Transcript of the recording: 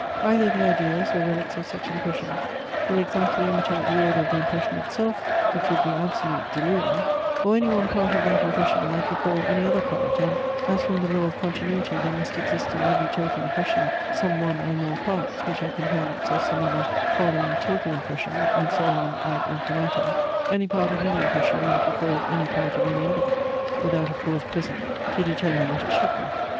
Either the ideas, or reliques of such impression, will exactly imitate the order of the impression itself, which would be absolute delirium: or any one part of that impression might recall any other part, and (as from the law of continuity, there must exist in every total impression, some one or more parts, which are components of some other following total impression, and so on ad infinitum) any part of any impression might recall any part of any other, without a cause present to determine what it should be.